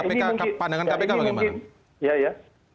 pandangan kpk bagaimana